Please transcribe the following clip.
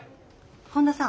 本田さん